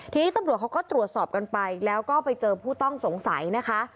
ทีนี้ตำรวจเขาก็ตรวจสอบกันไปแล้วก็ไปเจอผู้ต้องสงสัยนะคะ